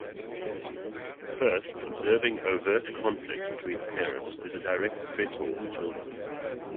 First, observing overt conflict between parents is a direct stressor for children.